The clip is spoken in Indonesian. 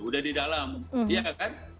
sudah di dalam ya kan